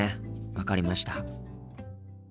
分かりました。